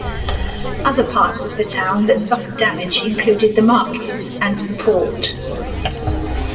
Other partsof the town that suffered damage included the market and the port.